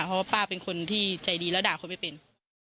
เพราะว่าป้าเป็นคนที่ใจดีแล้วด่าเขาไม่เป็น